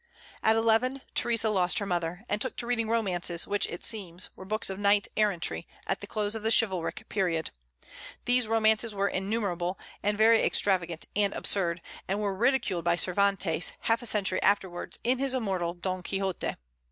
At eleven, Theresa lost her mother, and took to reading romances, which, it seems, were books of knight errantry, at the close of the chivalric period. These romances were innumerable, and very extravagant and absurd, and were ridiculed by Cervantes, half a century afterwards, in his immortal "Don Quixote."